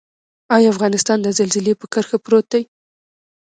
آیا افغانستان د زلزلې په کرښه پروت دی؟